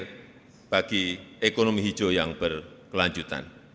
untuk ekonomi hijau yang berkelanjutan